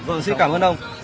vâng xin cảm ơn ông